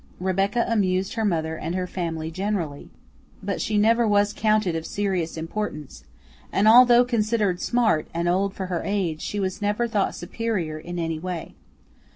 Rebecca amused her mother and her family generally, but she never was counted of serious importance, and though considered "smart" and old for her age, she was never thought superior in any way.